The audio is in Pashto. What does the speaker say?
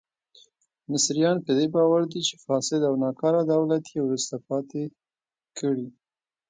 مصریان په دې باور دي چې فاسد او ناکاره دولت یې وروسته پاتې کړي.